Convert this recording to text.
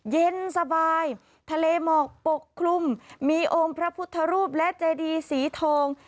เย็นสบายทะเลหมอกปกคลุมมีองค์พระพุทธรูปและเจดีสีทอง